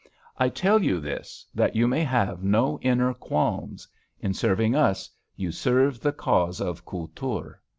I tell you this, that you may have no inner qualms; in serving us you serve the cause of Kultur.